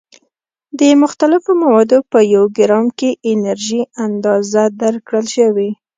د مختلفو موادو په یو ګرام کې انرژي اندازه درکړل شوې.